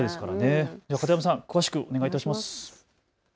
では片山さん、詳しくお願いします。